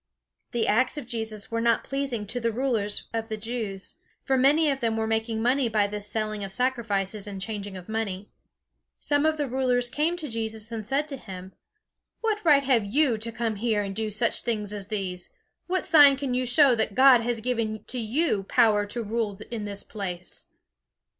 The acts of Jesus were not pleasing to the rulers of the Jews, for many of them were making money by this selling of sacrifices and changing of money. Some of the rulers came to Jesus and said to him: "What right have you to come here and do such things as these? What sign can you show that God has given to you power to rule in this place?"